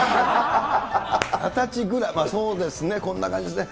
２０歳ぐらい、そうですね、こんな感じですね。